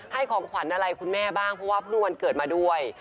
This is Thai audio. ของขวัญอะไรคุณแม่บ้างเพราะว่าเพิ่งวันเกิดมาด้วย